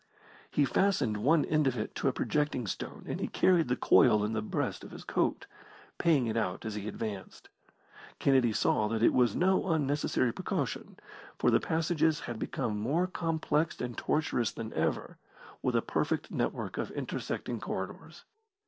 He fastened one end of it to a projecting stone and he carried the coil in the breast of his coat, paying it out as he advanced. Kennedy saw that it was no unnecessary precaution, for the passages had become more complexed and tortuous than ever, with a perfect network of intersecting corridors.